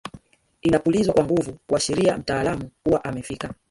Inapulizwa kwa nguvu kuashiria mtaalamu kuwa amefika